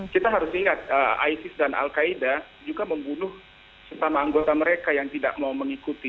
kita harus ingat isis dan al qaeda juga membunuh setama anggota mereka yang tidak mau mengikuti